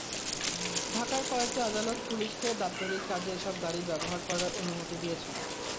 ঢাকার কয়েকটি আদালত পুলিশকে দাপ্তরিক কাজে এসব গাড়ি ব্যবহার করার অনুমতি দিয়েছেন।